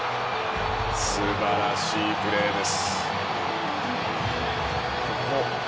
素晴らしいプレーです。